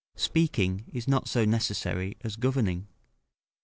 ["Speaking is not so necessary as governing."